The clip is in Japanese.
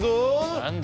何だ？